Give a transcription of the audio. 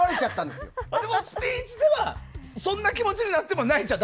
でも、スピーチではそんな気持ちになっても。